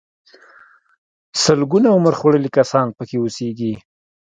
سلګونه عمر خوړلي کسان پکې اوسيږي.